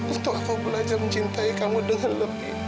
untuk aku belajar mencintai kamu dengan lebih